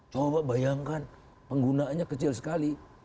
coba bayangkan penggunaannya kecil sekali